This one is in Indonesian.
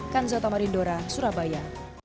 kan zota marindora surabaya